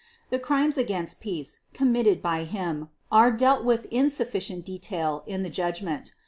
The Crimes against Peace committed by him are dealt with in sufficient detail in the Judgment.